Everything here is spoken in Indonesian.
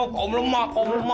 oh kaum lemah kaum lemah